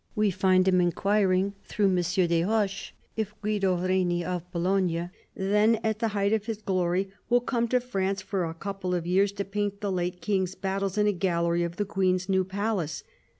We find him inquiring through M. des Roches if Guido Reni of Bologna, then at the height of his glory, will come to France for a couple of years to paint the late King's battles in a gallery of the Queen's new palace.